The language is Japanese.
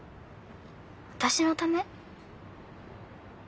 私のため？